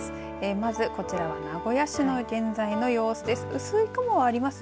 まずこちらは名古屋市の現在の様子です。